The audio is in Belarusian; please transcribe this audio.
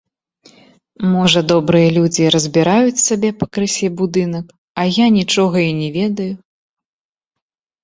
Можа, добрыя людзі разбіраюць сабе пакрысе будынак, а я нічога і не ведаю!